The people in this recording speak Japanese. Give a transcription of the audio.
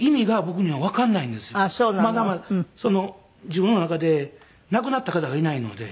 自分の中で亡くなった方がいないので。